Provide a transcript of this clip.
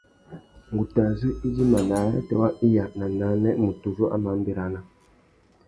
Ngu tà zú idjima; nà arrātê wa iya na nānê, mutu uzu a má nʼbérana.